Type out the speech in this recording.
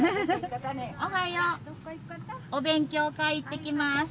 おはよう。お勉強会行ってきます。